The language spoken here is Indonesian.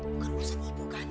bukan urusan wabung kan